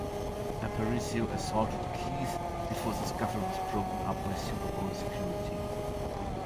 Aparicio assaulted Keith before the scuffle was broken up by Super Bowl security.